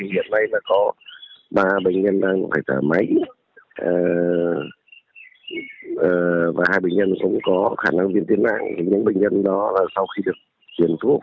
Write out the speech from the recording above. và hai bệnh nhân cũng có khả năng viên tiến mạng những bệnh nhân đó sau khi được chuyển thuốc